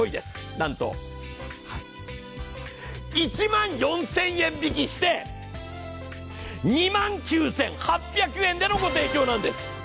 なんと１万４０００円引きして２万９８００円でのご提供なんです。